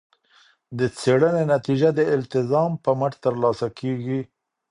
د څیړنې نتیجه د الالتزام په مټ ترلاسه کیږي.